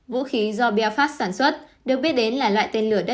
vũ khí do belfast sản xuất được biết đến là loại tên lửa đất nước